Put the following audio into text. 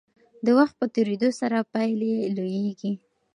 د وخت په تیریدو سره پایلې لویېږي.